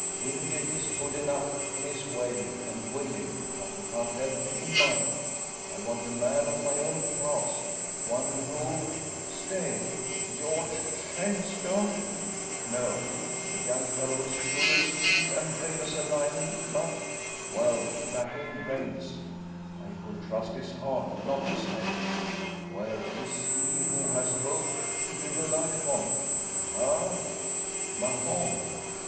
Wingate is good enough in his way, and willing, but he can't help me in mine. I want a man of my own class; one who stay! George Shenstone? No! The young fellow is true as steel and brave as a lion, but well, lacking brains. I could trust his heart, not his head. Where is he who has both to be relied upon? Ha! Mahon!